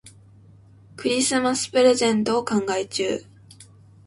クリスマスプレゼントを考え中。